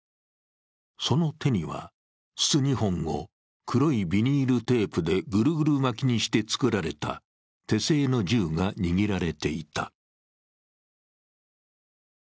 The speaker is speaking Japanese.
その手には、筒２本を黒いビニールテープでぐるぐる巻きにして作られた手製の銃が握られていた。